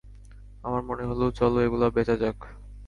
আমার মনে হলো, চলো এগুলা বেচা যাক।